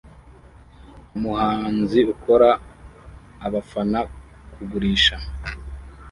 Umuhanzi ukora abafana kugurisha